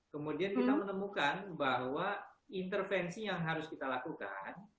kemudian kita menemukan bahwa intervensi yang harus kita lakukan